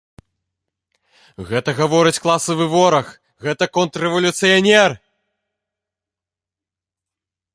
Гэта гаворыць класавы вораг, гэта контррэвалюцыянер!